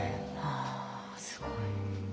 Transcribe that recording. あすごい。